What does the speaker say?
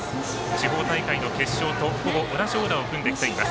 地方大会の決勝とほぼ同じオーダーを組んできています。